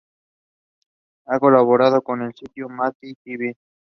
Ha colaborado con el sitio mafi.tv.